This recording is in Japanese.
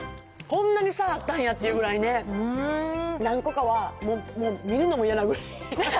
こんなに差あったんやってぐらいね、何個かは、もう見るのもやなくらい。